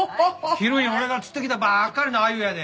昼に俺が釣ってきたばっかりの鮎やで。